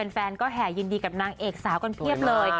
แฟนก็แห่ยินดีกับนางเอกสาวกันเพียบเลย